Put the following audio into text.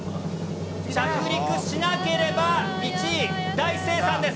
着陸しなければ１位、大精算です。